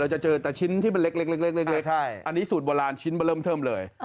จะเจอแต่ชิ้นที่มันเล็กอันนี้สูตรโบราณชิ้นมาเริ่มเทิมเลย